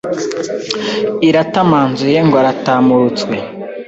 Iratamanzuye ngo aratamurutswe